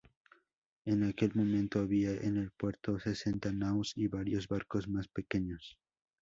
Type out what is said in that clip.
En aquel momento había en el puerto sesenta naos, y varios barcos más pequeños.